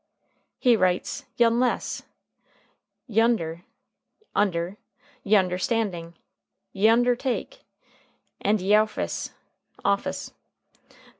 He writes "yunless," "yeunder" (under), "yunderstanding," "yeundertake," and "yeouffeis" (office).